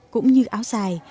cũng như áo dài